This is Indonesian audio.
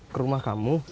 ke rumah kamu